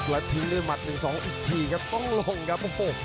และทิ้งด้วยหมัด๑๒อีกทีครับต้องลงครับ